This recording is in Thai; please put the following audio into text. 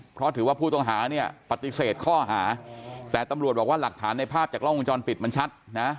เพราะถือว่าผู้ต้องหาเนี่ยปฏิเสธข้อหาแต่ตำรวจบอกว่าหลักฐานในภาพจากกล้องวงจรปิดมันชัดนะ